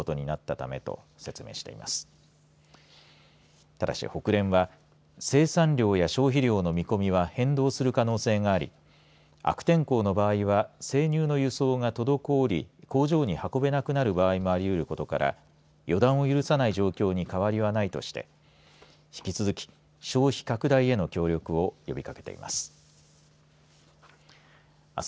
ただし、ホクレンは生産量や消費量の見込みは変動する可能性もあり悪天候の場合は生乳の輸送が滞り工場に運べなくなる場合もありうることから予断を許さない状況に変わりはないとして引き続き消費拡大への協力を呼びかけています。